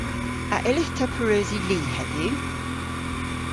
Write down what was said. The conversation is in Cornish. A yllydh ta pareusi li hedhyw?